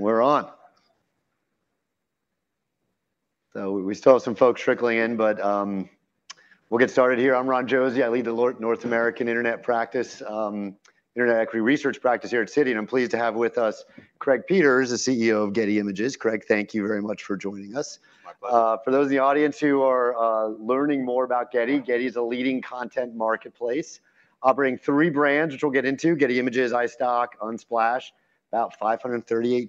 We're on! So we still have some folks trickling in, but we'll get started here. I'm Ron Josey. I lead the North American Internet practice, Internet Equity Research practice here at Citi, and I'm pleased to have with us Craig Peters, the CEO of Getty Images. Craig, thank you very much for joining us. My pleasure. For those in the audience who are learning more about Getty, Getty is a leading content marketplace, offering three brands, which we'll get into, Getty Images, iStock, Unsplash, about—call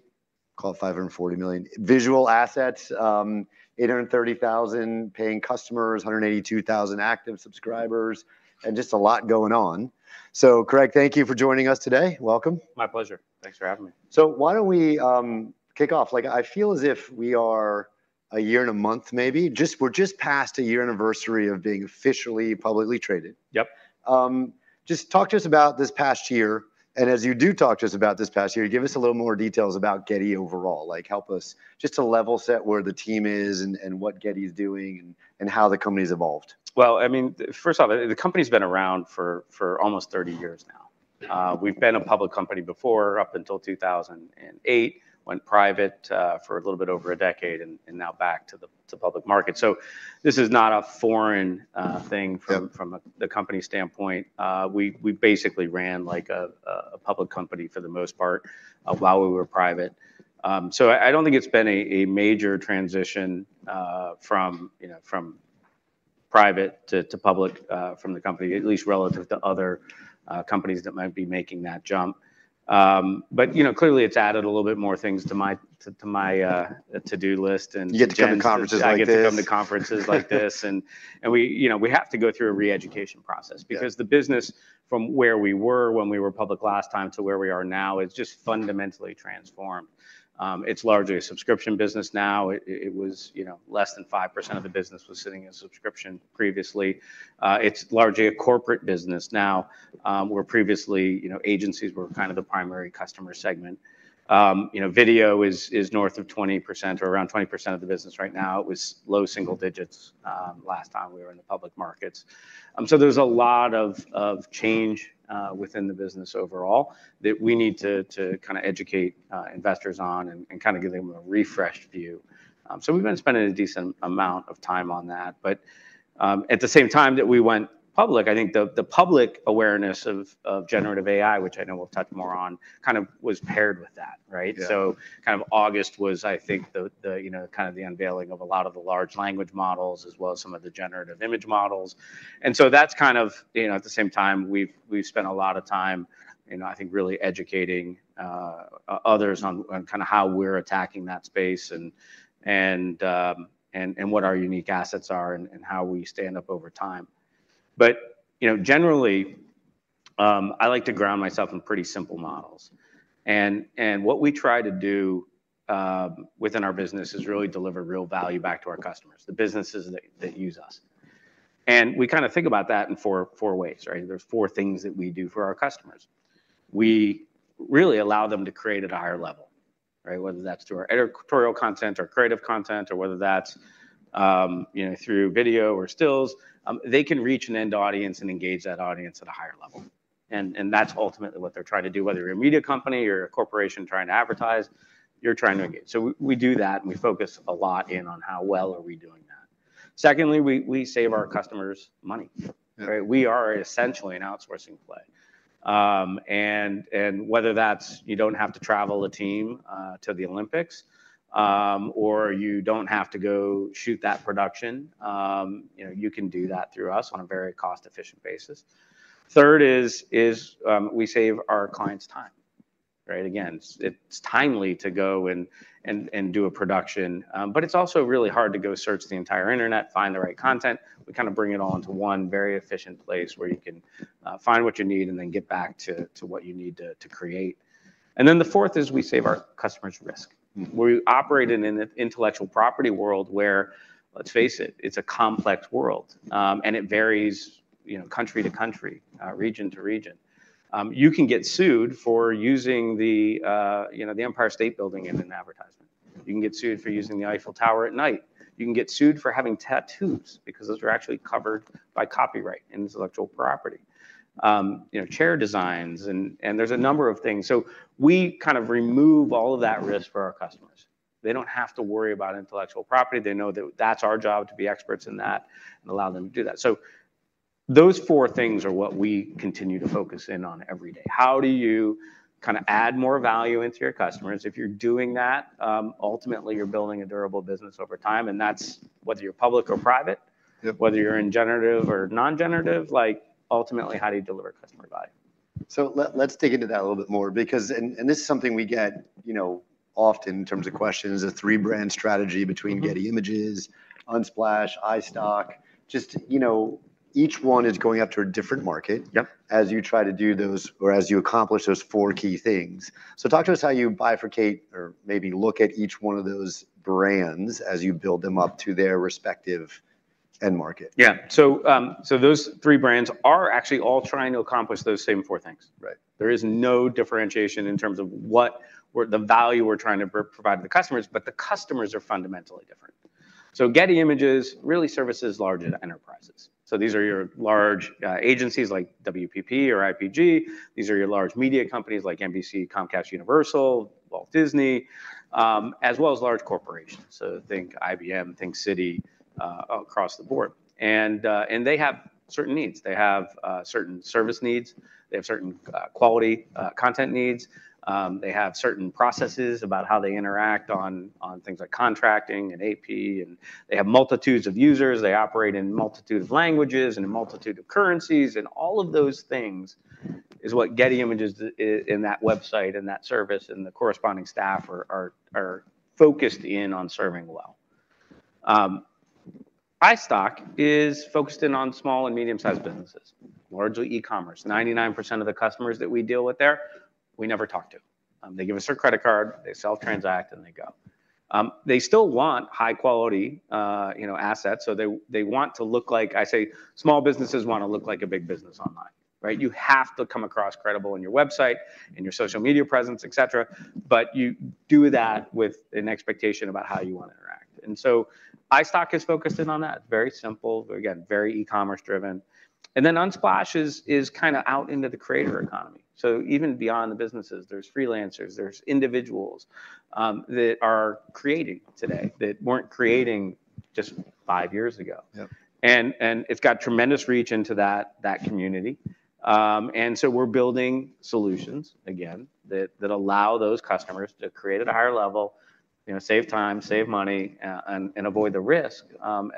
it 540 million visual assets, 830,000 paying customers, 182,000 active subscribers, and just a lot going on. So Craig, thank you for joining us today. Welcome. My pleasure. Thanks for having me. So why don't we kick off? Like, I feel as if we are a year and a month maybe; we're just past the year anniversary of being officially publicly traded. Yep. Just talk to us about this past year, and as you do talk to us about this past year, give us a little more details about Getty overall. Like, help us just to level set where the team is and, and what Getty is doing and, and how the company's evolved. Well, I mean, first off, the company's been around for almost 30 years now. We've been a public company before, up until 2008, went private for a little bit over a decade, and now back to the public market. So this is not a foreign thing- Yeah... from the company standpoint. We basically ran like a public company for the most part while we were private. So I don't think it's been a major transition from, you know, from private to public from the company, at least relative to other companies that might be making that jump. But, you know, clearly, it's added a little bit more things to my to-do list, and- You get to come to conferences like this. I get to come to conferences like this. And we, you know, we have to go through a reeducation process- Yeah... because the business from where we were when we were public last time to where we are now, is just fundamentally transformed. It's largely a subscription business now. It, it was, you know, less than 5% of the business was sitting in subscription previously. It's largely a corporate business now, where previously, you know, agencies were kind of the primary customer segment. You know, video is, is north of 20% or around 20% of the business right now. It was low single digits, last time we were in the public markets. So there's a lot of, of change, within the business overall that we need to, to kind of educate, investors on and, and kind of give them a refreshed view. So we've been spending a decent amount of time on that. At the same time that we went public, I think the public awareness of generative AI, which I know we'll touch more on, kind of was paired with that, right? Yeah. So kind of August was, I think, you know, kind of the unveiling of a lot of the large language models, as well as some of the generative image models. And so that's kind of. You know, at the same time, we've spent a lot of time, you know, I think, really educating others on kind of how we're attacking that space and what our unique assets are and how we stand up over time. But, you know, generally, I like to ground myself in pretty simple models. And what we try to do within our business is really deliver real value back to our customers, the businesses that use us. And we kind of think about that in four ways, right? There's four things that we do for our customers. We really allow them to create at a higher level, right? Whether that's through our editorial content or creative content, or whether that's, you know, through video or stills, they can reach an end audience and engage that audience at a higher level. And that's ultimately what they're trying to do, whether you're a media company or a corporation trying to advertise, you're trying to engage. So we do that, and we focus a lot in on how well are we doing that. Secondly, we save our customers money. Yeah. Right? We are essentially an outsourcing play. And whether that's you don't have to travel a team to the Olympics, or you don't have to go shoot that production, you know, you can do that through us on a very cost-efficient basis. Third is, we save our clients time. Right? Again, it's timely to go and do a production, but it's also really hard to go search the entire Internet, find the right content. We kind of bring it all into one very efficient place where you can find what you need and then get back to what you need to create. And then the fourth is we save our customers risk. Mm-hmm. We operate in an intellectual property world where, let's face it, it's a complex world, and it varies, you know, country to country, region to region. You can get sued for using the, you know, the Empire State Building in an advertisement. You can get sued for using the Eiffel Tower at night. You can get sued for having tattoos because those are actually covered by copyright and intellectual property. You know, chair designs, and there's a number of things. So we kind of remove all of that risk for our customers. They don't have to worry about intellectual property. They know that that's our job, to be experts in that, and allow them to do that. So those four things are what we continue to focus in on every day. How do you kind of add more value into your customers? If you're doing that, ultimately, you're building a durable business over time, and that's whether you're public or private- Yep... whether you're in generative or non-generative, like, ultimately, how do you deliver customer value? Let's dig into that a little bit more because—and this is something we get, you know, often in terms of questions, the three-brand strategy between- Yeah... Getty Images, Unsplash, iStock. Just, you know, each one is going after a different market- Yep... as you try to do those or as you accomplish those four key things. Talk to us how you bifurcate or maybe look at each one of those brands as you build them up to their respective end market. Yeah. So, those three brands are actually all trying to accomplish those same four things. Right. There is no differentiation in terms of what we're the value we're trying to provide to the customers, but the customers are fundamentally different. So Getty Images really services larger enterprises. So these are your large agencies like WPP or IPG. These are your large media companies like NBC, Comcast, Universal, Walt Disney, as well as large corporations. So think IBM, think Citi, across the board. And they have certain needs. They have certain service needs, they have certain quality content needs, they have certain processes about how they interact on things like contracting and AP, and they have multitudes of users, they operate in a multitude of languages and a multitude of currencies. And all of those things is what Getty Images in that website and that service and the corresponding staff are focused in on serving well. iStock is focused in on small and medium-sized businesses, largely e-commerce. 99% of the customers that we deal with there, we never talk to. They give us their credit card, they self-transact, and they go. They still want high quality, you know, assets, so they want to look like, I say, small businesses wanna look like a big business online, right? You have to come across credible on your website, in your social media presence, etc., but you do that with an expectation about how you want to interact. And so iStock is focused in on that. Very simple, again, very e-commerce driven. And then Unsplash is kind of out into the creator economy. So even beyond the businesses, there's freelancers, there's individuals, that are creating today that weren't creating just five years ago. Yeah. It's got tremendous reach into that community. And so we're building solutions, again, that allow those customers to create at a higher level, you know, save time, save money, and avoid the risk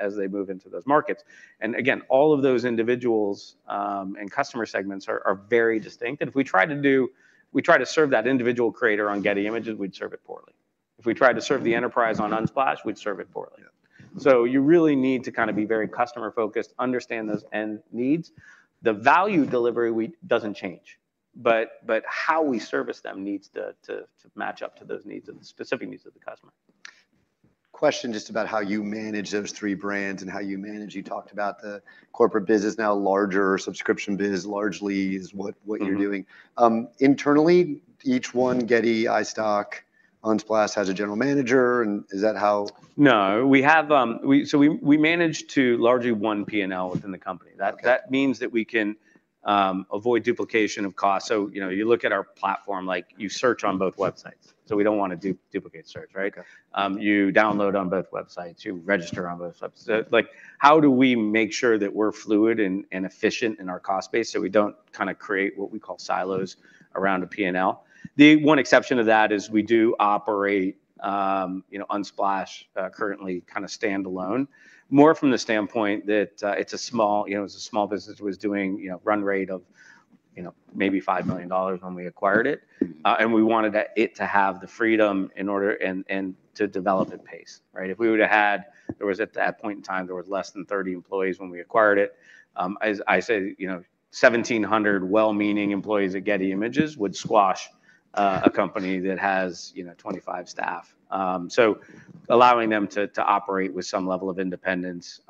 as they move into those markets. And again, all of those individuals and customer segments are very distinct. And if we try to serve that individual creator on Getty Images, we'd serve it poorly. If we tried to serve the enterprise on Unsplash, we'd serve it poorly. Yeah. So you really need to kind of be very customer focused, understand those end needs. The value delivery doesn't change, but how we service them needs to match up to those specific needs of the customer. Question just about how you manage those three brands and how you manage... You talked about the corporate business now, larger subscription biz largely is what? Mm-hmm... what you're doing. Internally, each one, Getty, iStock, Unsplash, has a general manager, and is that how? No, we have, so we manage to largely one P&L within the company. Okay. That means that we can avoid duplication of costs. So, you know, you look at our platform, like, you search on both websites, so we don't want to duplicate search, right? Okay. You download on both websites, you register on both websites. So, like, how do we make sure that we're fluid and efficient in our cost base, so we don't kind of create what we call silos around a P&L? The one exception to that is we do operate, you know, Unsplash currently kind of standalone. More from the standpoint that it's a small, you know, it's a small business. It was doing, you know, run rate of maybe $5 million when we acquired it. Mm-hmm. And we wanted it to have the freedom in order and to develop at pace, right? There was, at that point in time, less than 30 employees when we acquired it. As I say, you know, 1,700 well-meaning employees at Getty Images would squash a company that has, you know, 25 staff. So allowing them to operate with some level of independence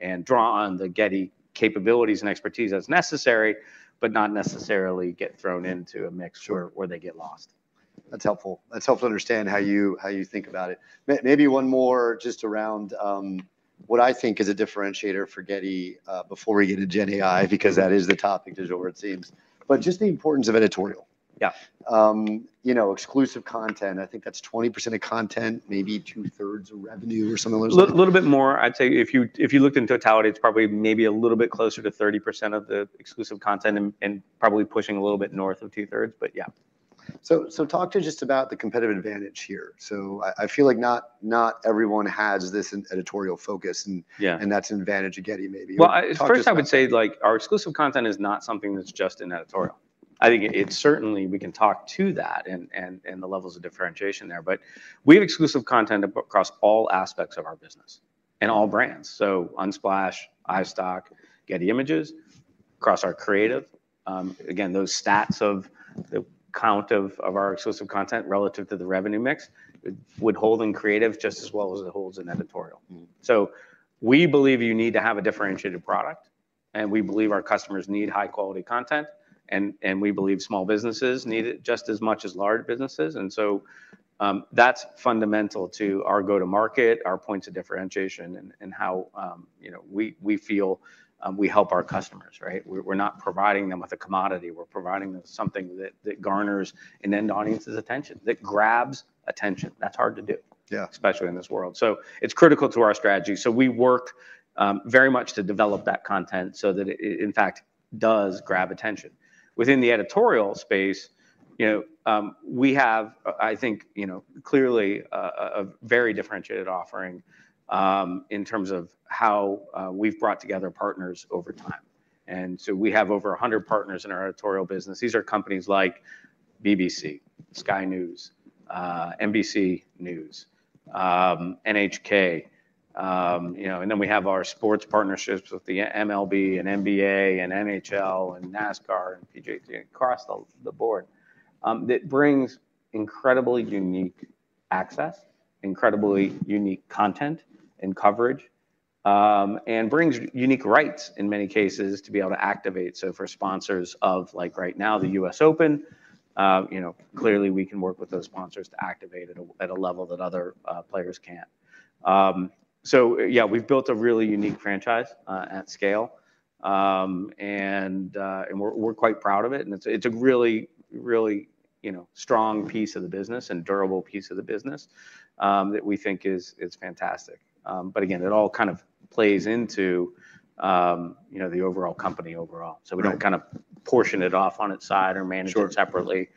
and draw on the Getty capabilities and expertise as necessary, but not necessarily get thrown into a mixture- Sure... where they get lost. That's helpful. That's helpful to understand how you, how you think about it. Maybe one more just around what I think is a differentiator for Getty before we get into GenAI, because that is the topic, as it seems. But just the importance of editorial. Yeah. You know, exclusive content, I think that's 20% of content, maybe two-thirds of revenue or something like that. A little bit more. I'd say if you looked in totality, it's probably maybe a little bit closer to 30% of the exclusive content and probably pushing a little bit north of 2/3, but yeah. So talk to just about the competitive advantage here. So I feel like not everyone has this editorial focus, and- Yeah... and that's an advantage of Getty, maybe. Well, talk to us about- Well, first, I would say, like, our exclusive content is not something that's just in editorial. I think it's certainly we can talk to that and the levels of differentiation there, but we have exclusive content across all aspects of our business and all brands. So Unsplash, iStock, Getty Images, across our creative. Again, those stats of the count of our exclusive content relative to the revenue mix would hold in creative just as well as it holds in editorial. Mm-hmm. So we believe you need to have a differentiated product, and we believe our customers need high-quality content, and we believe small businesses need it just as much as large businesses. And so, that's fundamental to our go-to-market, our points of differentiation, and how, you know, we feel we help our customers, right? We're not providing them with a commodity. We're providing them something that garners an end audience's attention, that grabs attention. That's hard to do- Yeah... especially in this world. So it's critical to our strategy. So we work very much to develop that content so that it in fact does grab attention. Within the editorial space, you know, we have, I think, you know, clearly a very differentiated offering in terms of how we've brought together partners over time. And so we have over 100 partners in our editorial business. These are companies like BBC, Sky News, NBC News, NHK. You know, and then we have our sports partnerships with the MLB and NBA and NHL and NASCAR and PGA, across the board, that brings incredibly unique access, incredibly unique content and coverage... and brings unique rights in many cases to be able to activate. So for sponsors of, like, right now, the US Open, you know, clearly we can work with those sponsors to activate at a, at a level that other players can't. So yeah, we've built a really unique franchise, at scale. And, and we're, we're quite proud of it, and it's, it's a really, really, you know, strong piece of the business and durable piece of the business, that we think is, is fantastic. But again, it all kind of plays into, you know, the overall company overall. Right. We don't kind of portion it off on its side or manage it- Sure... separately.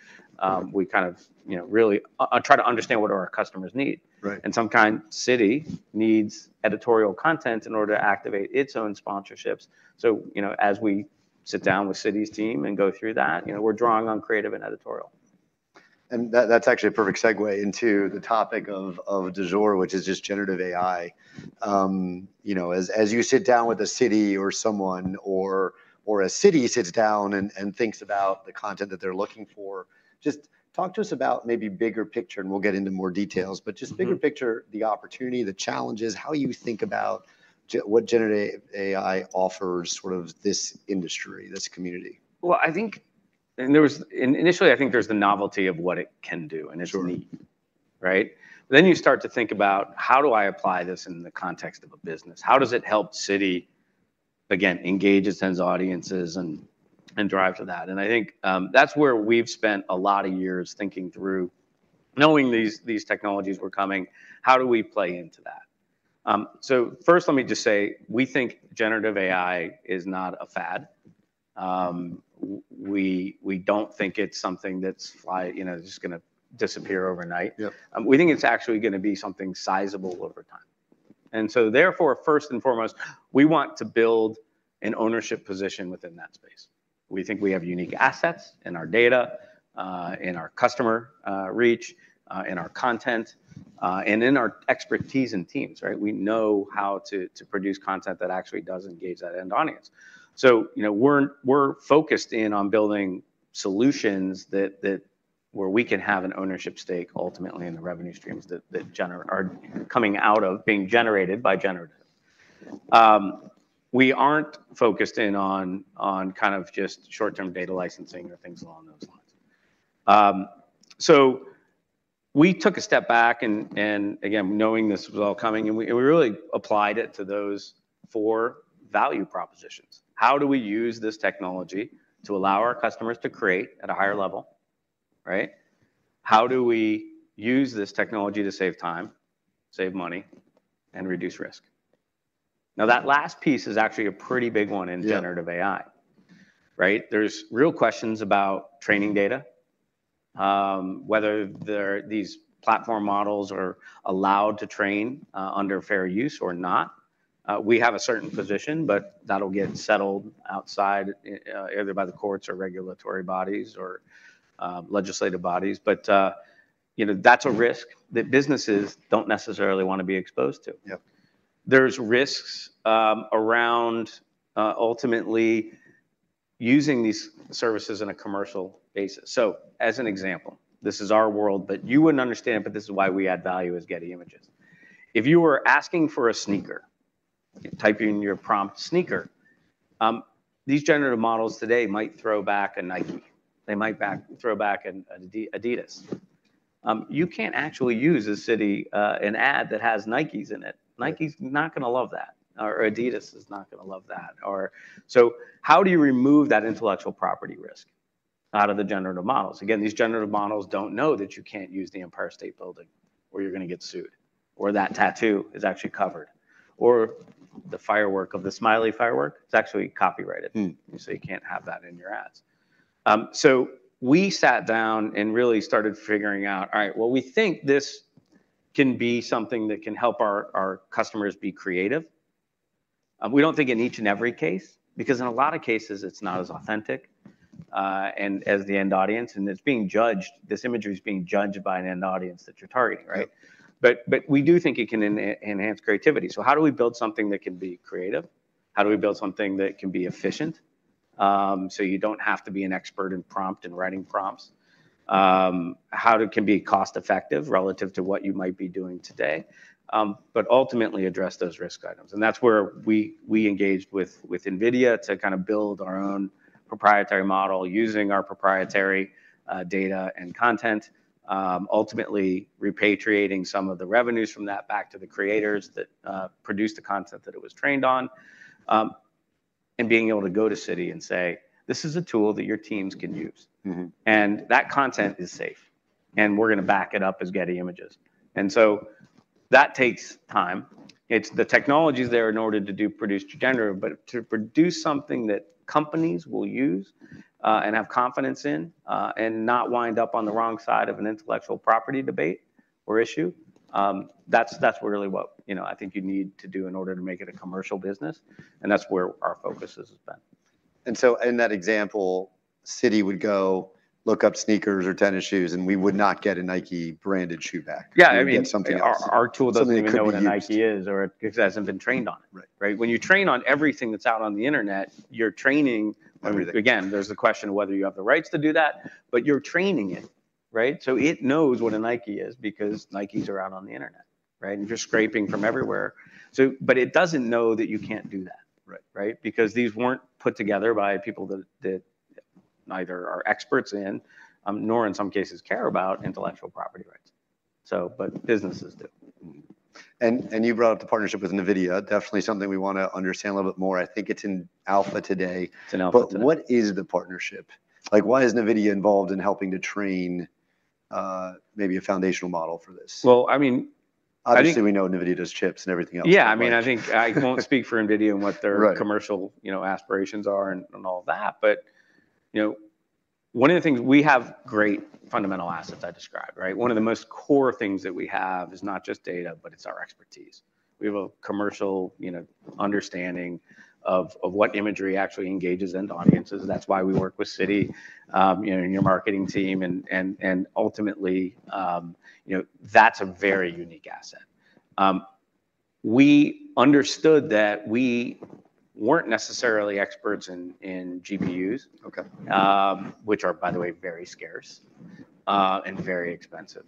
We kind of, you know, really try to understand what our customers need. Right. Sometimes Citi needs editorial content in order to activate its own sponsorships. So, you know, as we sit down with Citi's team and go through that, you know, we're drawing on creative and editorial. That, that's actually a perfect segue into the topic of [du jour,] which is just generative AI. You know, as you sit down with a Citi or someone, or a Citi sits down and thinks about the content that they're looking for, just talk to us about maybe bigger picture, and we'll get into more details. Mm-hmm. But just bigger picture, the opportunity, the challenges, how you think about what generative AI offers, sort of this industry, this community? Well, I think... initially, I think there's the novelty of what it can do, and it's neat. Sure... right? Then you start to think about: How do I apply this in the context of a business? How does it help Citi, again, engage its end audiences and drive to that? And I think, that's where we've spent a lot of years thinking through, knowing these technologies were coming, how do we play into that? So first, let me just say, we think generative AI is not a fad. We don't think it's something that's, you know, just gonna disappear overnight. Yep. We think it's actually gonna be something sizable over time. So therefore, first and foremost, we want to build an ownership position within that space. We think we have unique assets in our data, in our customer reach, in our content, and in our expertise and teams, right? We know how to produce content that actually does engage that end audience. So, you know, we're focused in on building solutions that where we can have an ownership stake ultimately in the revenue streams that are coming out of being generated by generative. We aren't focused in on kind of just short-term data licensing or things along those lines. So we took a step back and again, knowing this was all coming, and we really applied it to those four value propositions. How do we use this technology to allow our customers to create at a higher level, right? How do we use this technology to save time, save money, and reduce risk? Now, that last piece is actually a pretty big one in- Yeah... generative AI, right? There's real questions about training data, whether their, these platform models are allowed to train, under fair use or not. We have a certain position, but that'll get settled outside, either by the courts or regulatory bodies or, legislative bodies. But, you know, that's a risk that businesses don't necessarily wanna be exposed to. Yep. There's risks around ultimately using these services on a commercial basis. So as an example, this is our world, but you wouldn't understand, but this is why we add value as Getty Images. If you were asking for a sneaker, typing in your prompt sneaker, these generative models today might throw back a Nike. They might throw back an Adidas. You can't actually use a Citi ad that has Nikes in it. Yeah. Nike's not gonna love that, or Adidas is not gonna love that. Or, so how do you remove that intellectual property risk out of the generative models? Again, these generative models don't know that you can't use the Empire State Building, or you're gonna get sued, or that tattoo is actually covered, or the firework of the smiley firework, it's actually copyrighted. Mm. So you can't have that in your ads. So we sat down and really started figuring out, all right, well, we think this can be something that can help our, our customers be creative. We don't think in each and every case, because in a lot of cases, it's not as authentic, and as the end audience, and it's being judged, this imagery is being judged by an end audience that you're targeting, right? Yep. But we do think it can enhance creativity. So how do we build something that can be creative? How do we build something that can be efficient, so you don't have to be an expert in prompt and writing prompts? How it can be cost effective relative to what you might be doing today, but ultimately address those risk items. And that's where we engaged with NVIDIA to kind of build our own proprietary model using our proprietary data and content. Ultimately, repatriating some of the revenues from that back to the creators that produced the content that it was trained on. And being able to go to Citi and say, "This is a tool that your teams can use- Mm-hmm. - and that content is safe, and we're gonna back it up as Getty Images. And so that takes time. It's the technology is there in order to do produce generative, but to produce something that companies will use, and have confidence in, and not wind up on the wrong side of an intellectual property debate or issue, that's really what, you know, I think you need to do in order to make it a commercial business, and that's where our focus has been. In that example, Citi would go look up sneakers or tennis shoes, and we would not get a Nike-branded shoe back- Yeah, I mean- We would get something else. Our tool doesn't even know what a Nike is- Something that could be used.... or it, it hasn't been trained on it. Right. Right? When you train on everything that's out on the internet, you're training- Everything. Again, there's a question of whether you have the rights to do that, but you're training it... Right? So it knows what a Nike is, because Nikes are out on the internet, right? And you're scraping from everywhere. So but it doesn't know that you can't do that. Right. Right? Because these weren't put together by people that neither are experts in, nor in some cases care about intellectual property rights. So, but businesses do. Mm-hmm. And you brought up the partnership with NVIDIA, definitely something we wanna understand a little bit more. I think it's in Alpha today. It's in Alpha today. But what is the partnership? Like, why is NVIDIA involved in helping to train, maybe a foundational model for this? Well, I mean, I think- Obviously, we know NVIDIA does chips and everything else. Yeah. I mean, I think— I can't speak for NVIDIA and what their- Right... commercial, you know, aspirations are and all of that. But, you know, one of the things we have great fundamental assets I described, right? One of the most core things that we have is not just data, but it's our expertise. We have a commercial, you know, understanding of what imagery actually engages end audiences. That's why we work with Citi, you know, and your marketing team, and ultimately, you know, that's a very unique asset. We understood that we weren't necessarily experts in GPUs- Okay... which are, by the way, very scarce, and very expensive,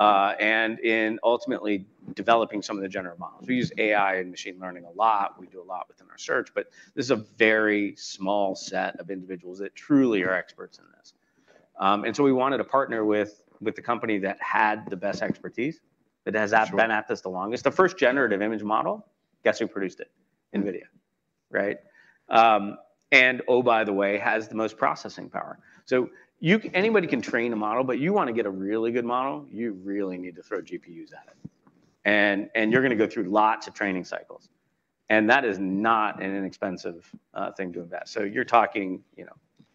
and in ultimately developing some of the generative models. We use AI and machine learning a lot. We do a lot within our search, but this is a very small set of individuals that truly are experts in this. And so we wanted to partner with, with a company that had the best expertise- Sure... that has been at this the longest. The first generative image model, guess who produced it? NVIDIA. Right? And oh, by the way, has the most processing power. So anybody can train a model, but you wanna get a really good model, you really need to throw GPUs at it. And you're gonna go through lots of training cycles, and that is not an inexpensive thing to invest. So you're talking, you know,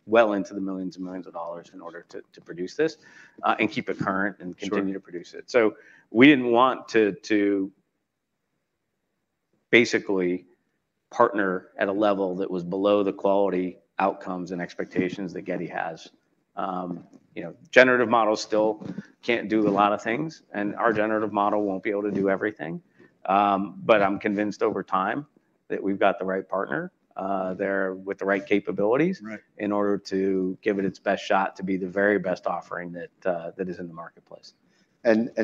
well into the millions and millions of dollars in order to produce this, and keep it current- Sure... and continue to produce it. So we didn't want to basically partner at a level that was below the quality, outcomes, and expectations that Getty has. You know, generative models still can't do a lot of things, and our generative model won't be able to do everything. But I'm convinced over time, that we've got the right partner, there with the right capabilities- Right... in order to give it its best shot to be the very best offering that, that is in the marketplace.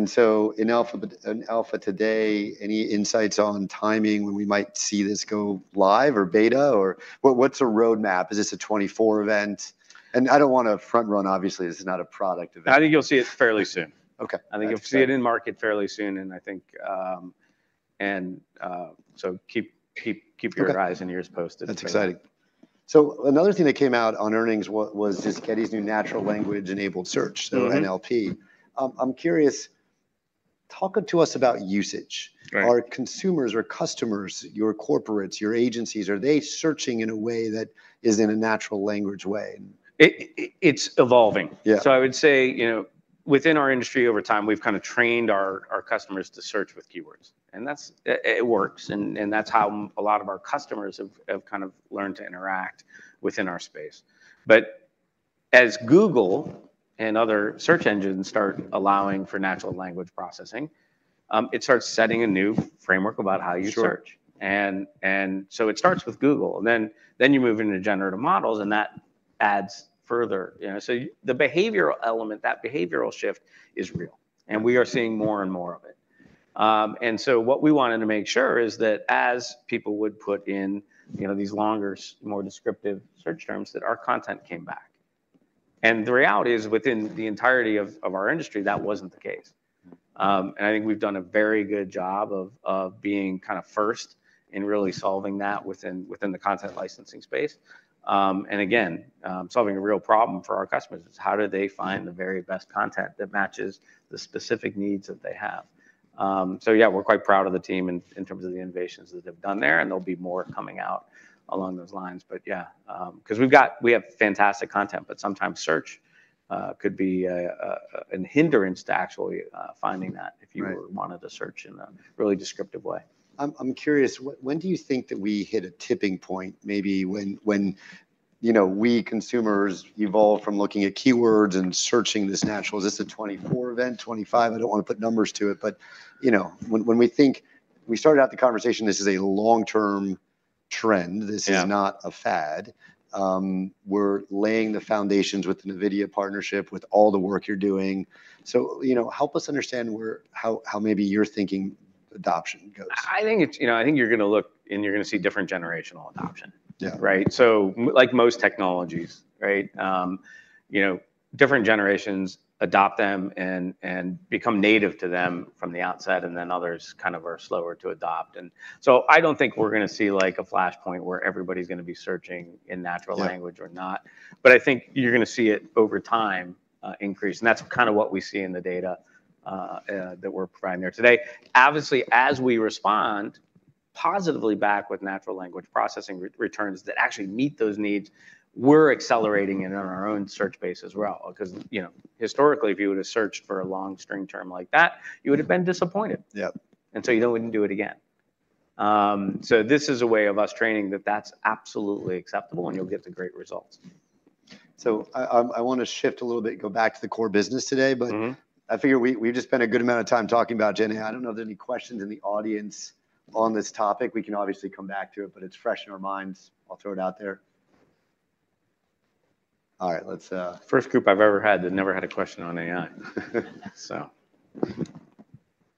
So in Alpha, but—in Alpha today, any insights on timing when we might see this go live or Beta, or what, what's a roadmap? Is this a 2024 event? And I don't wanna front-run, obviously, this is not a product event. I think you'll see it fairly soon. Okay. I think you'll see it in market fairly soon, and I think, so keep, keep, keep your eyes- Okay... and ears posted. That's exciting. So another thing that came out on earnings was this Getty's new natural language-enabled search- Mm-hmm... so NLP. I'm curious, talk to us about usage. Right. Are consumers or customers, your corporates, your agencies, are they searching in a way that is in a natural language way? It's evolving. Yeah. So I would say, you know, within our industry, over time, we've kind of trained our customers to search with keywords, and that's and it works, and that's how a lot of our customers have kind of learned to interact within our space. But as Google and other search engines start allowing for natural language processing, it starts setting a new framework about how you search. Sure. And so it starts with Google, and then you move into generative models, and that adds further. You know, so the behavioral element, that behavioral shift is real, and we are seeing more and more of it. And so what we wanted to make sure is that as people would put in, you know, these longer, more descriptive search terms, that our content came back. And the reality is, within the entirety of our industry, that wasn't the case. And I think we've done a very good job of being kind of first in really solving that within the content licensing space. And again, solving a real problem for our customers is, how do they find the very best content that matches the specific needs that they have? So yeah, we're quite proud of the team in terms of the innovations that they've done there, and there'll be more coming out along those lines. But yeah, because we have fantastic content, but sometimes search could be an hindrance to actually finding that- Right... if you wanted to search in a really descriptive way. I'm curious, when do you think that we hit a tipping point, maybe when, you know, we consumers evolve from looking at keywords and searching this natural... Is this a 2024 event, 2025? I don't wanna put numbers to it, but, you know, when we think—we started out the conversation, this is a long-term trend- Yeah... this is not a fad. We're laying the foundations with the NVIDIA partnership, with all the work you're doing. So, you know, help us understand where, how, how maybe you're thinking adoption goes. I think it's... You know, I think you're gonna look, and you're gonna see different generational adoption. Yeah. Right? So like most technologies, right, you know, different generations adopt them and become native to them from the outset, and then others kind of are slower to adopt. And so I don't think we're gonna see, like, a flashpoint where everybody's gonna be searching in natural language- Yeah... or not, but I think you're gonna see it over time, increase, and that's kind of what we see in the data that we're providing there today. Obviously, as we respond positively back with natural language processing returns that actually meet those needs, we're accelerating it in our own search base as well because, you know, historically, if you were to search for a long string term like that, you would have been disappointed. Yeah. And so you wouldn't do it again. So this is a way of us training that that's absolutely acceptable, and you'll get the great results. So I wanna shift a little bit, and go back to the core business today. Mm-hmm. But I figure we've just spent a good amount of time talking about GenAI. I don't know if there are any questions in the audience on this topic. We can obviously come back to it, but it's fresh in our minds. I'll throw it out there... All right, let's, First group I've ever had that never had a question on AI. So-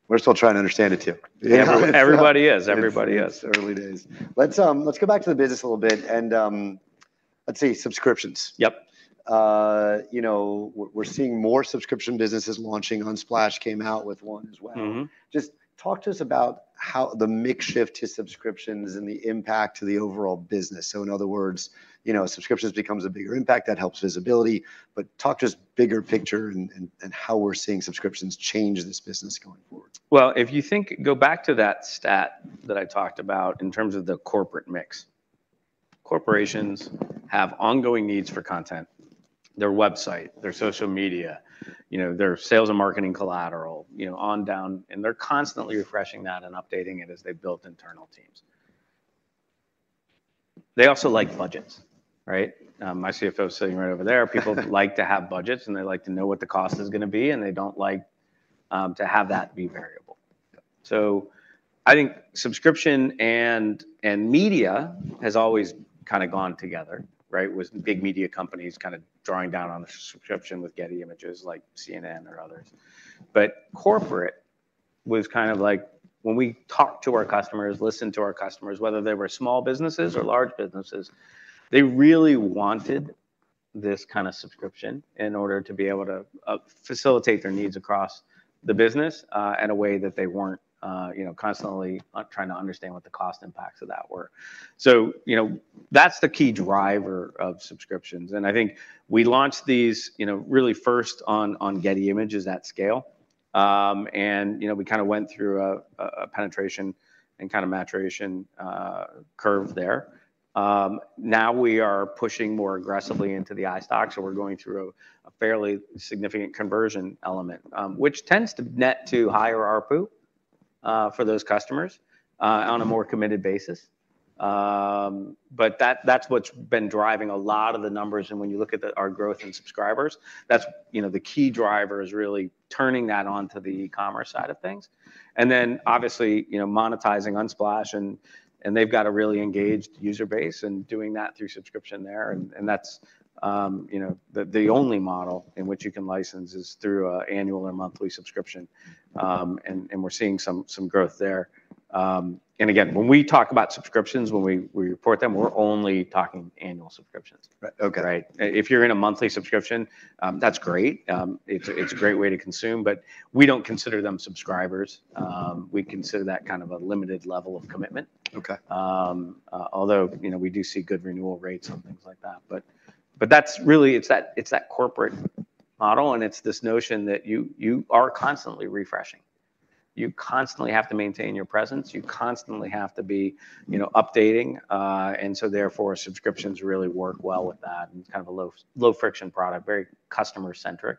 We're still trying to understand it, too. Yeah, everybody is, everybody is. Early days. Let's go back to the business a little bit, and let's see, subscriptions. Yep. You know, we're seeing more subscription businesses launching. Unsplash came out with one as well. Mm-hmm. Just talk to us about how the mix shift to subscriptions and the impact to the overall business. So, in other words, you know, subscriptions becomes a bigger impact, that helps visibility. But talk to us bigger picture, and how we're seeing subscriptions change this business going forward. Well, go back to that stat that I talked about in terms of the corporate mix. Corporations have ongoing needs for content: their website, their social media, you know, their sales and marketing collateral, you know, on down, and they're constantly refreshing that and updating it as they built internal teams. They also like budgets, right? My CFO is sitting right over there. People like to have budgets, and they like to know what the cost is gonna be, and they don't like, to have that be variable. Yep. So I think subscription and media has always kind of gone together, right, with big media companies kind of drawing down on the subscription with Getty Images, like CNN or others. But corporate was kind of like, when we talked to our customers, listened to our customers, whether they were small businesses or large businesses, they really wanted this kind of subscription in order to be able to facilitate their needs across the business in a way that they weren't, you know, constantly trying to understand what the cost impacts of that were. So, you know, that's the key driver of subscriptions, and I think we launched these, you know, really first on Getty Images at scale. And, you know, we kind of went through a penetration and kind of maturation curve there. Now we are pushing more aggressively into the iStock, so we're going through a fairly significant conversion element, which tends to net to higher ARPU, for those customers, on a more committed basis. But that, that's what's been driving a lot of the numbers, and when you look at our growth in subscribers, that's, you know, the key driver is really turning that on to the e-commerce side of things. And then, obviously, you know, monetizing Unsplash, and, and they've got a really engaged user base and doing that through subscription there. Mm-hmm. That's, you know, the only model in which you can license is through an annual or monthly subscription. And we're seeing some growth there. And again, when we talk about subscriptions, when we report them, we're only talking annual subscriptions. Right. Okay. Right? If you're in a monthly subscription, that's great. It's a great way to consume, but we don't consider them subscribers. We consider that kind of a limited level of commitment. Okay. Although, you know, we do see good renewal rates and things like that, but that's really... It's that corporate model, and it's this notion that you are constantly refreshing. You constantly have to maintain your presence. You constantly have to be, you know, updating. And so therefore, subscriptions really work well with that, and it's kind of a low-friction product, very customer-centric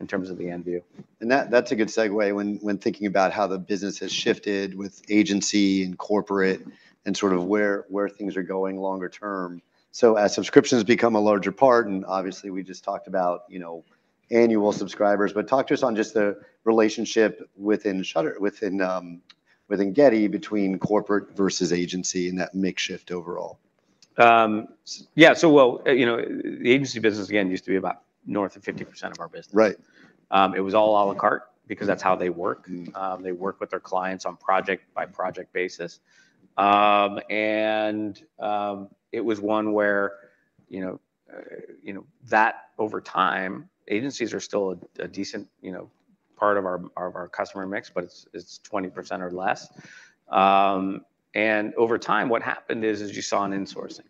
in terms of the end view. That, that's a good segue when thinking about how the business has shifted with agency and corporate and sort of where things are going longer term. So as subscriptions become a larger part, and obviously, we just talked about, you know, annual subscribers, but talk to us on just the relationship within Shutterstock within Getty, between corporate versus agency and that mix shift overall. Yeah, well, you know, the agency business, again, used to be about north of 50% of our business. Right. It was all à la carte because that's how they work. Mm-hmm. They work with their clients on project-by-project basis. And it was one where, you know, you know, that over time, agencies are still a decent, you know, part of our, of our customer mix, but it's 20% or less. And over time, what happened is you saw an insourcing,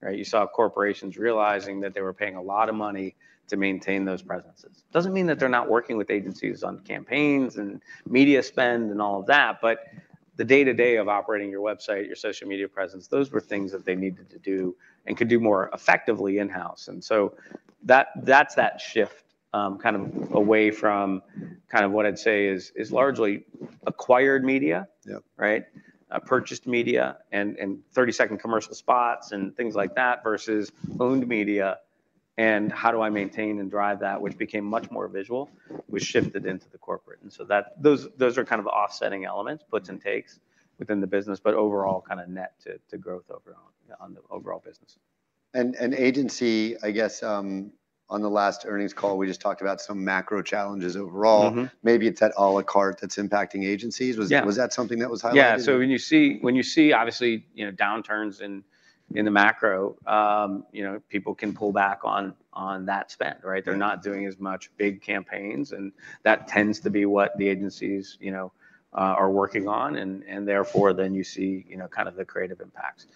right? You saw corporations realizing that they were paying a lot of money to maintain those presences. Doesn't mean that they're not working with agencies on campaigns and media spend and all of that, but the day-to-day of operating your website, your social media presence, those were things that they needed to do and could do more effectively in-house. And so that's that shift, kind of away from kind of what I'd say is largely acquired media- Yep. Right? Purchased media and thirty-second commercial spots and things like that, versus owned media and how do I maintain and drive that, which became much more visual, which shifted into the corporate. And so that, those are kind of offsetting elements, puts and takes within the business, but overall, kind of net to growth overall on the overall business. An agency, I guess, on the last earnings call, we just talked about some macro challenges overall. Mm-hmm. Maybe it's that à la carte that's impacting agencies. Yeah. Was that something that was highlighted? Yeah. So when you see, obviously, you know, downturns in the macro, you know, people can pull back on that spend, right? Yeah. They're not doing as much big campaigns, and that tends to be what the agencies, you know, are working on. And therefore, then you see, you know, kind of the creative impacts.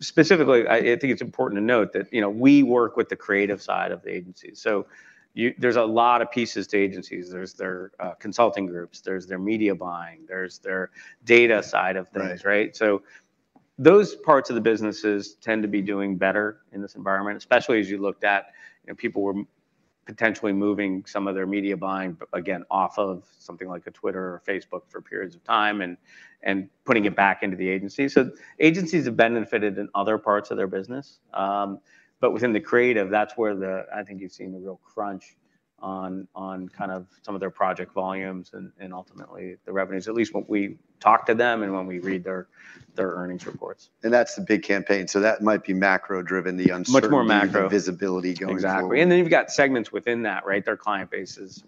Specifically, I think it's important to note that, you know, we work with the creative side of the agency. So there's a lot of pieces to agencies. There's their consulting groups, there's their media buying, there's their data side of things- Right... right? So those parts of the businesses tend to be doing better in this environment, especially as you looked at, you know, people were potentially moving some of their media buying, but again, off of something like a Twitter or Facebook for periods of time, and putting it back into the agency. So agencies have benefited in other parts of their business. But within the creative, that's where I think you've seen the real crunch on kind of some of their project volumes and ultimately the revenues, at least when we talk to them and when we read their earnings reports. That's the big campaign. That might be macro-driven, the uncertainty- Much more macro. and visibility going forward. Exactly. And then you've got segments within that, right? Their client bases.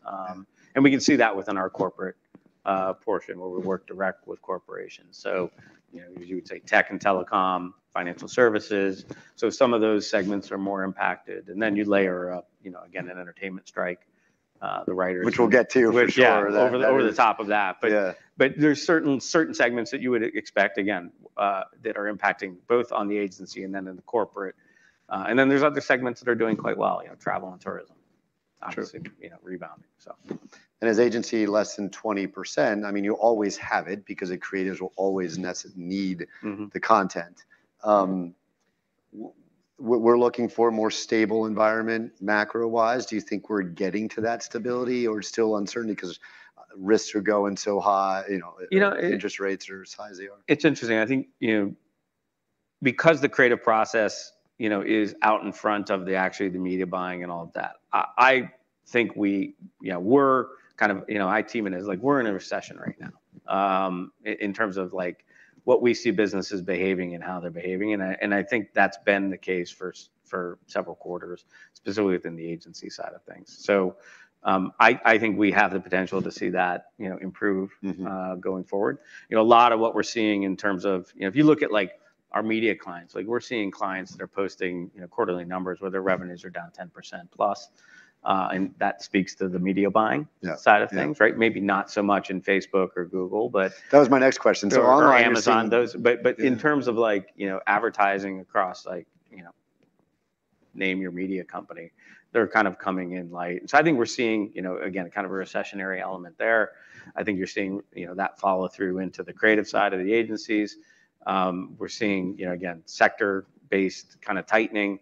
And we can see that within our corporate portion, where we work direct with corporations. So, you know, you would say tech and telecom, financial services. So some of those segments are more impacted. And then you layer up, you know, again, an entertainment strike, the writers- Which we'll get to for sure. Yeah, over the top of that. Yeah. But there's certain segments that you would expect, again, that are impacting both on the agency and then in the corporate. And then there's other segments that are doing quite well, you know, travel and tourism- True... obviously, you know, rebounding, so. As agency, less than 20%, I mean, you always have it because the creatives will always need- Mm-hmm... the content. We're looking for a more stable environment, macro-wise. Do you think we're getting to that stability or still uncertainty because risks are going so high, you know- You know-... interest rates are as high as they are? It's interesting. I think, you know, because the creative process, you know, is out in front of the, actually, the media buying and all of that, I think we, you know, we're kind of, you know... My team is like: "We're in a recession right now," in terms of, like, what we see businesses behaving and how they're behaving. And I think that's been the case for several quarters, specifically within the agency side of things. So, I think we have the potential to see that, you know, improve. Mm-hmm... going forward. You know, a lot of what we're seeing in terms of, you know, if you look at, like, our media clients, like, we're seeing clients that are posting, you know, quarterly numbers, where their revenues are down 10% plus, and that speaks to the media buying- Yeah... side of things, right? Yeah. Maybe not so much in Facebook or Google, but- That was my next question. So online, we're seeing- Or Amazon, those- Yeah. But in terms of like, you know, advertising across, like, you know, name your media company, they're kind of coming in light. So I think we're seeing, you know, again, a kind of a recessionary element there. I think you're seeing, you know, that follow through into the creative side of the agencies. We're seeing, you know, again, sector-based kind of tightening.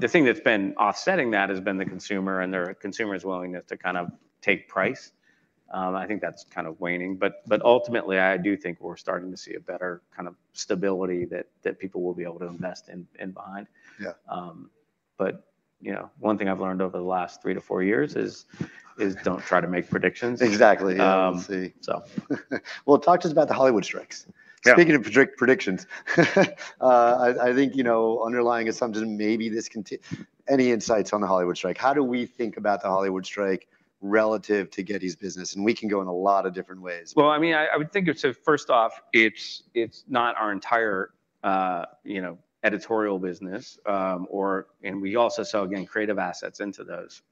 The thing that's been offsetting that has been the consumer and the consumer's willingness to kind of take price. I think that's kind of waning, but ultimately, I do think we're starting to see a better kind of stability that people will be able to invest in behind. Yeah. But, you know, one thing I've learned over the last three to four years is don't try to make predictions. Exactly. We'll see. So. Well, talk to us about the Hollywood strikes. Yeah. Speaking of predictions, I think, you know, underlying assumption is maybe any insights on the Hollywood strike? How do we think about the Hollywood strike relative to Getty's business? And we can go in a lot of different ways. Well, I mean, I would think it's a... First off, it's not our entire, you know, editorial business, or and we also sell, again, creative assets into those.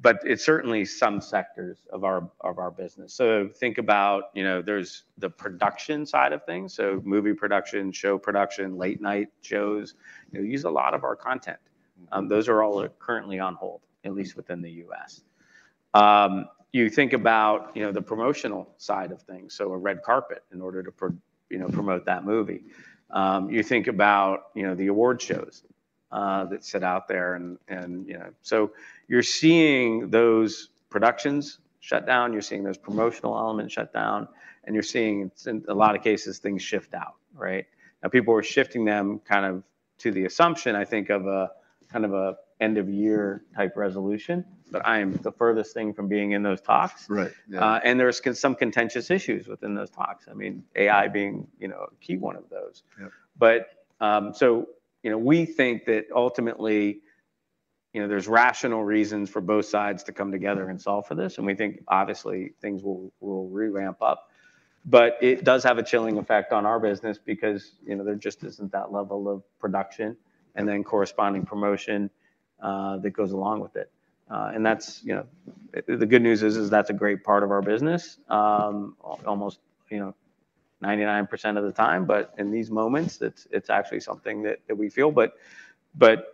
But it's certainly some sectors of our business. So think about, you know, there's the production side of things. So movie production, show production, late night shows, you know, use a lot of our content. Mm-hmm. Those are all currently on hold, at least within the U.S. You think about, you know, the promotional side of things, so a red carpet, in order to pro- Mm-hmm... you know, promote that movie. You think about, you know, the award shows, that set out there and, you know. So you're seeing those productions shut down, you're seeing those promotional elements shut down, and you're seeing, in a lot of cases, things shift out, right? Now, people were shifting them kind of to the assumption, I think, of a kind of a end-of-year type resolution, but I am the furthest thing from being in those talks. Right. Yeah. And there's some contentious issues within those talks. I mean, AI being, you know, a key one of those. Yeah. But, so, you know, we think that ultimately, you know, there's rational reasons for both sides to come together and solve for this, and we think, obviously, things will re-ramp up. But it does have a chilling effect on our business because, you know, there just isn't that level of production, and then corresponding promotion that goes along with it. And that's, you know... The good news is that's a great part of our business, almost, you know, 99% of the time, but in these moments, it's actually something that we feel. But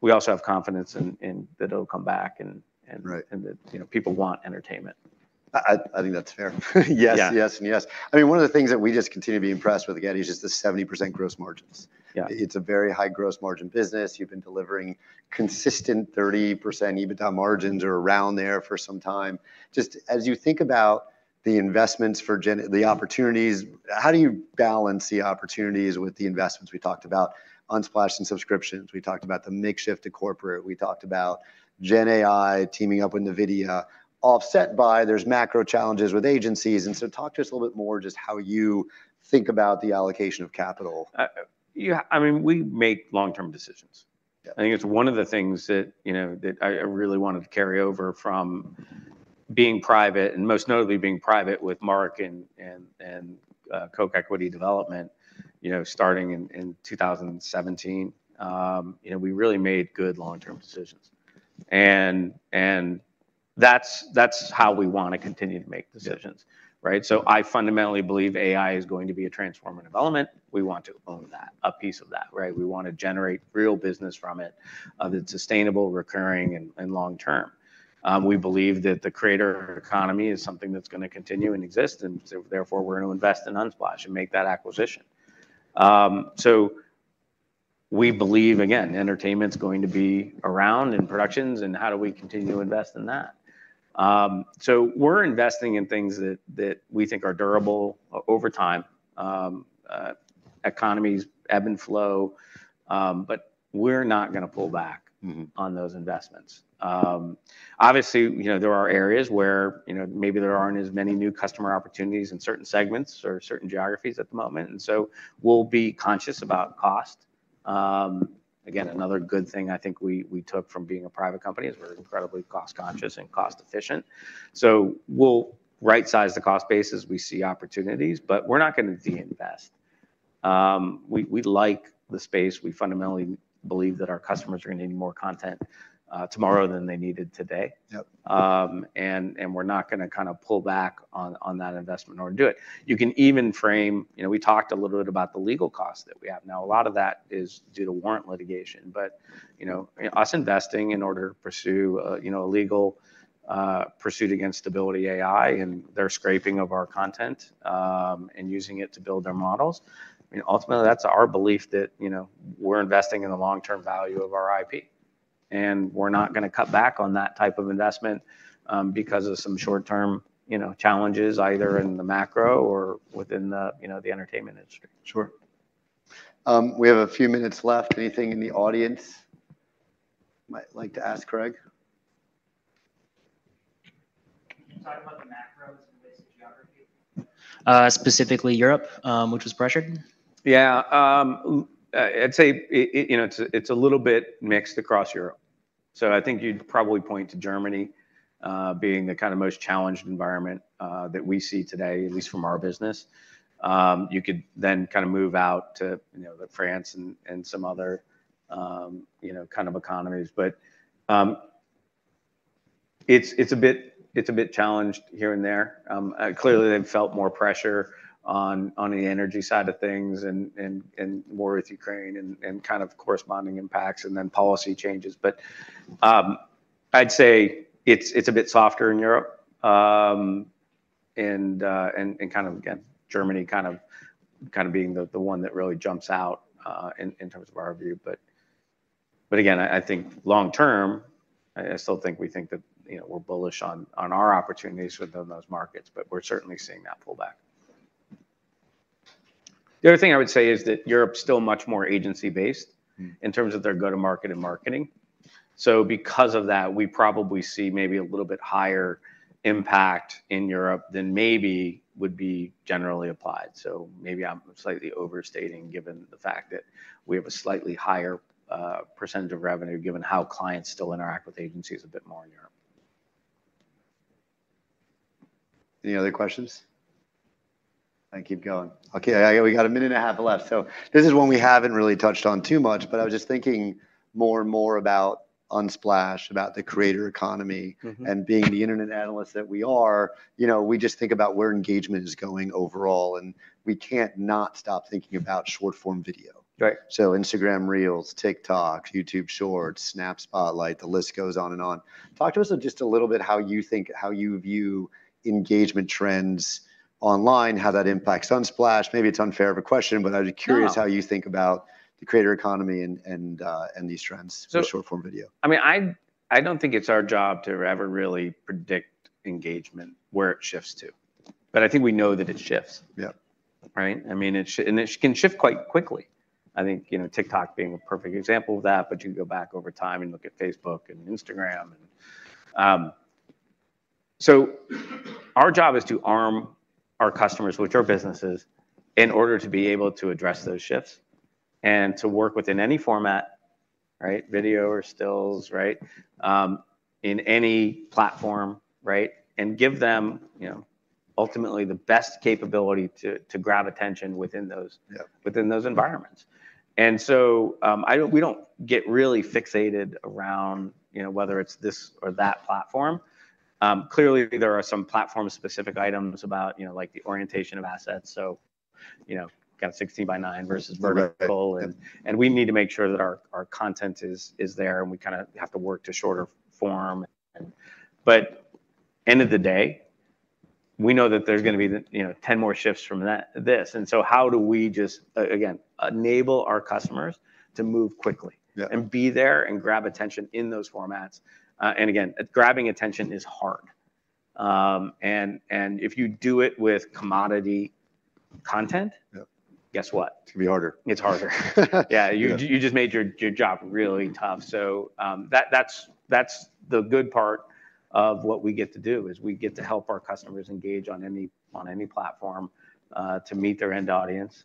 we also have confidence in that it'll come back, and. Right... and that, you know, people want entertainment. I think that's fair. Yes- Yeah... yes, and yes. I mean, one of the things that we just continue to be impressed with, Getty, is just the 70% gross margins. Yeah. It's a very high gross margin business. You've been delivering consistent 30% EBITDA margins or around there for some time. Just as you think about the investments for gen-- the opportunities, how do you balance the opportunities with the investments? We talked about Unsplash and subscriptions, we talked about the mix shift to corporate, we talked about GenAI teaming up with NVIDIA, offset by there's macro challenges with agencies. And so talk to us a little bit more, just how you think about the allocation of capital. Yeah, I mean, we make long-term decisions. Yeah. I think it's one of the things that, you know, that I really wanted to carry over from being private, and most notably, being private with Mark and Koch Equity Development, you know, starting in 2017. You know, we really made good long-term decisions. And that's how we wanna continue to make decisions. Yeah... right? So I fundamentally believe AI is going to be a transformative element. We want to own that, a piece of that, right? We wanna generate real business from it, that's sustainable, recurring, and long term. We believe that the creator economy is something that's gonna continue and exist, and so therefore, we're gonna invest in Unsplash and make that acquisition. So we believe, again, entertainment's going to be around, and productions, and how do we continue to invest in that?... So we're investing in things that we think are durable over time. Economies ebb and flow, but we're not gonna pull back- Mm-hmm On those investments. Obviously, you know, there are areas where, you know, maybe there aren't as many new customer opportunities in certain segments or certain geographies at the moment, and so we'll be conscious about cost. Again, another good thing I think we took from being a private company is we're incredibly cost-conscious and cost-efficient. So we'll rightsize the cost base as we see opportunities, but we're not gonna de-invest. We like the space. We fundamentally believe that our customers are gonna need more content tomorrow than they needed today. Yep. We're not gonna kind of pull back on that investment or do it. You can even frame... You know, we talked a little bit about the legal costs that we have. Now, a lot of that is due to warrant litigation, but, you know, us investing in order to pursue, you know, a legal pursuit against Stability AI and their scraping of our content, and using it to build their models, I mean, ultimately, that's our belief that, you know, we're investing in the long-term value of our IP, and we're not gonna cut back on that type of investment, because of some short-term, you know, challenges, either in the macro or within the, you know, the entertainment industry. Sure. We have a few minutes left. Anything in the audience might like to ask Craig? Can you talk about the macros in basic geography? Specifically Europe, which was pressured. Yeah. I'd say it, you know, it's a little bit mixed across Europe. So I think you'd probably point to Germany being the kind of most challenged environment that we see today, at least from our business. You could then kind of move out to, you know, France and some other, you know, kind of economies. But it's a bit challenged here and there. Clearly, they've felt more pressure on the energy side of things and war with Ukraine and kind of corresponding impacts, and then policy changes. But I'd say it's a bit softer in Europe, and kind of, again, Germany kind of being the one that really jumps out in terms of our view. But again, I think long term, I still think we think that, you know, we're bullish on our opportunities within those markets, but we're certainly seeing that pull back. The other thing I would say is that Europe's still much more agency-based- Mm. In terms of their go-to-market and marketing. So because of that, we probably see maybe a little bit higher impact in Europe than maybe would be generally applied. So maybe I'm slightly overstating, given the fact that we have a slightly higher percentage of revenue, given how clients still interact with agencies a bit more in Europe. Any other questions? Then keep going. Okay, we got a minute and a half left. So this is one we haven't really touched on too much, but I was just thinking more and more about Unsplash, about the creator economy- Mm-hmm. being the internet analyst that we are, you know, we just think about where engagement is going overall, and we can't not stop thinking about short-form video. Right. So Instagram Reels, TikTok, YouTube Shorts, Snap Spotlight, the list goes on and on. Talk to us just a little bit how you view engagement trends online, how that impacts Unsplash. Maybe it's unfair of a question, but I'd be curious. No... how you think about the creator economy and these trends- So- - for short-form video. I mean, I don't think it's our job to ever really predict engagement, where it shifts to, but I think we know that it shifts. Yep. Right? I mean, it and it can shift quite quickly. I think, you know, TikTok being a perfect example of that, but you can go back over time and look at Facebook and Instagram. And, so our job is to arm our customers, which are businesses, in order to be able to address those shifts and to work within any format, right, video or stills, right, in any platform, right? And give them, you know, ultimately the best capability to grab attention within those- Yep... within those environments. And so, we don't get really fixated around, you know, whether it's this or that platform. Clearly, there are some platform-specific items about, you know, like the orientation of assets, so, you know, kind of 16 by nine versus vertical. Right. And we need to make sure that our content is there, and we kinda have to work to shorter form. But end of the day, we know that there's gonna be, you know, 10 more shifts from that-this. And so how do we just, again, enable our customers to move quickly- Yeah... and be there and grab attention in those formats? And again, grabbing attention is hard. And if you do it with commodity content- Yep... guess what? It's gonna be harder. It's harder. Yeah. Yeah. You just made your job really tough. Mm-hmm. So, that's the good part of what we get to do, is we get to help our customers engage on any platform to meet their end audience.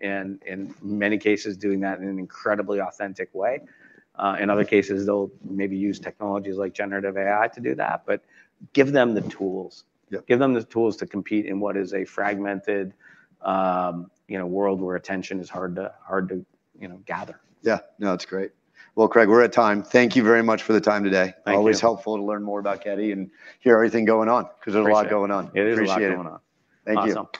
And in many cases, doing that in an incredibly authentic way. In other cases, they'll maybe use technologies like generative AI to do that. But give them the tools. Yep. Give them the tools to compete in what is a fragmented, you know, world where attention is hard to, you know, gather. Yeah. No, it's great. Well, Craig, we're at time. Thank you very much for the time today. Thank you. Always helpful to learn more about Getty and hear everything going on- Appreciate it... 'cause there's a lot going on. It is a lot going on. Appreciate it. Thank you.